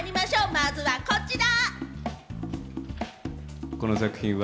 まずはこちら！